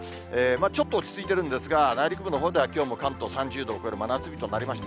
ちょっと落ち着いてるんですが、内陸部のほうではきょうも関東３０度を超える真夏日となりました。